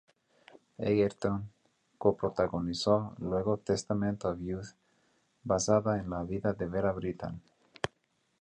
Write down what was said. Egerton coprotagonizó luego "Testament of Youth", basada en la vida de Vera Brittain.